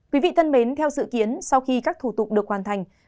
quý vị thân mến theo dự kiến sau khi các thủ tục được hoàn thành